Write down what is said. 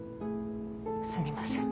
すみません。